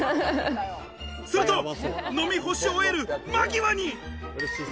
すると飲み干し終える間際に。